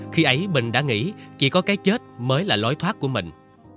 khi ấy bình đã nghĩ chỉ có cái chết mới là lối thoát của mình